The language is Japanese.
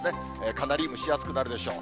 かなり蒸し暑くなるでしょう。